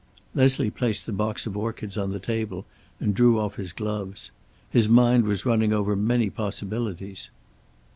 Leslie placed the box of orchids on the table and drew off his gloves. His mind was running over many possibilities.